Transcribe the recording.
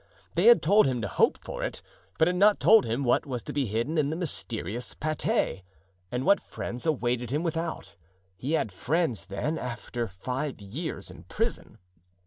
They had told him to hope for it, but had not told him what was to be hidden in the mysterious pate. And what friends awaited him without? He had friends, then, after five years in prison?